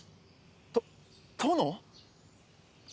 と殿？